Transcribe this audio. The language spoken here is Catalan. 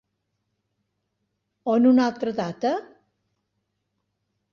O en una altra data?